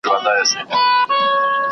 زه اجازه لرم چي اوبه وڅښم.